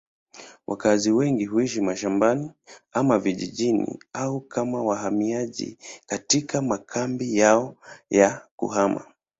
Wakazi wengi huishi mashambani ama vijijini au kama wahamiaji katika makambi yao ya kuhama.